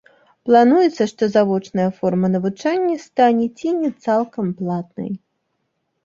Плануецца, што завочная форма навучання стане ці не цалкам платнай.